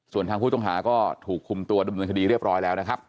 ส่วนทางผู้ต้องหาก็ถูกคุมตัวดำเนินคดีเรียบร้อยแล้วนะครับ